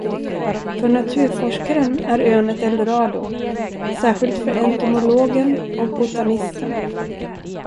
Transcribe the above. För naturforskaren är ön ett eldorado, särskilt för entomologen och botanisten.